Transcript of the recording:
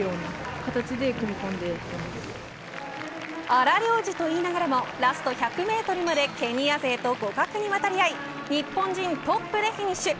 荒療治と言いながらもラスト１００メートルまでケニア勢と互角に渡り合い日本人トップでフィニッシュ。